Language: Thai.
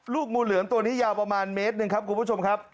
งูเหลือมตัวนี้ยาวประมาณเมตรหนึ่งครับคุณผู้ชมครับ